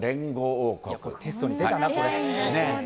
よくテストに出たな、これ。